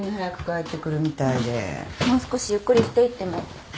もう少しゆっくりしていっても。